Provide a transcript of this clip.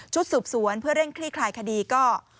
สืบสวนเพื่อเร่งคลี่คลายคดีก็